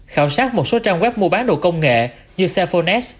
khảo sát một số trang web mua bán đồ công nghệ như cellphone x